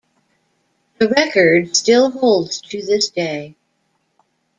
The record still holds to this day.